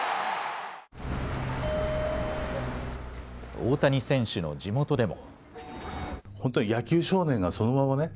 大谷選手の地元でも。